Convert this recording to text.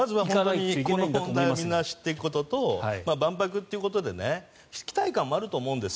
この問題をみんな知っていくことと万博っていうことで期待感もあると思うんです。